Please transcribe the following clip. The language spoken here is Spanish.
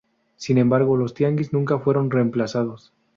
Sin embargo, los tianguis nunca fueron reemplazados.